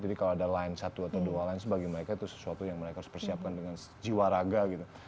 kalau ada line satu atau dua lain sebagai mereka itu sesuatu yang mereka harus persiapkan dengan jiwa raga gitu